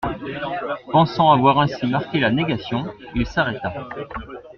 Pensant avoir ainsi marqué la négation, il s'arrêta.